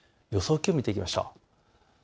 気温を見ていきましょう。